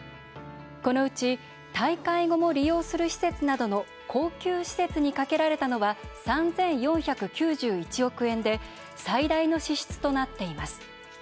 このうち大会後も利用する施設などの恒久施設にかけられたのは３，４９１億円で最大の支出となっています。